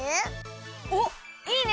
おっいいね！